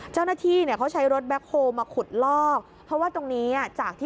เจ้าหน้าที่เนี่ยเขาใช้รถแบ็คโฮลมาขุดลอกเพราะว่าตรงนี้อ่ะจากที่